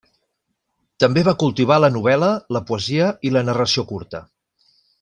També va cultivar la novel·la, la poesia i la narració curta.